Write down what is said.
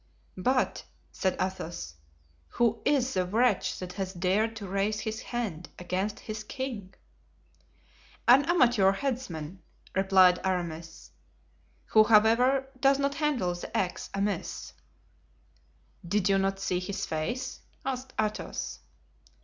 "But," said Athos, "who is the wretch that has dared to raise his hand against his king?" "An amateur headsman," replied Aramis, "who however, does not handle the axe amiss." "Did you not see his face?" asked Athos.